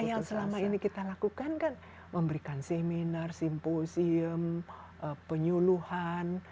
yang selama ini kita lakukan kan memberikan seminar simposium penyuluhan